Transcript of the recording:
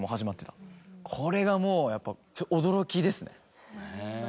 これがもうやっぱ驚きですね。ねぇ。